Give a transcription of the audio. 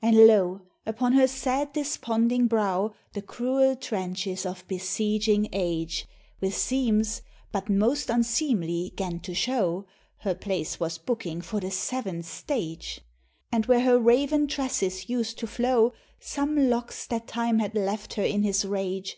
And lo! upon her sad desponding brow, The cruel trenches of besieging age, With seams, but most unseemly, 'gan to show Her place was booking for the seventh stage; And where her raven tresses used to flow, Some locks that Time had left her in his rage.